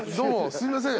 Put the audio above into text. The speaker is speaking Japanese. すいません。